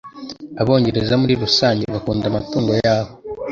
Abongereza muri rusange bakunda cyane amatungo yabo